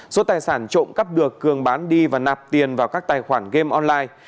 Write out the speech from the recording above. số tài sản trộm cắp được cường bán đi và nạp tiền vào các tài khoản game online